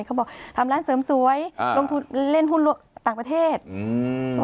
เขาบอกทำร้านเสริมสวยอ่าลงทุนเล่นหุ้นต่างประเทศอืม